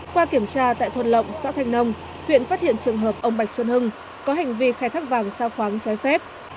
qua kiểm tra tại thôn lộng xã thanh nông huyện phát hiện trường hợp ông bạch xuân hưng có hành vi khai thác vàng xa khoáng trái phép